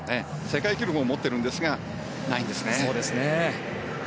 世界記録も持っているんですがないですね。